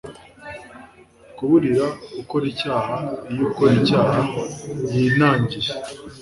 kuburira ukora icyaha iyo ukora icyaha yinangiye